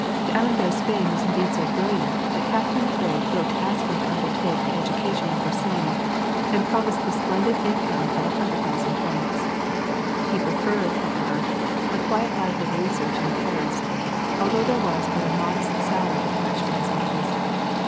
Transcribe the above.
D'Alembert's fame was indeed so brilliant that Catherine the Great wrote to ask him to undertake the education of her Son, and promised the splendid income of a hundred thousand francs. He preferred, however, a quiet life of research in Paris, although there was but a modest salary attached to his office.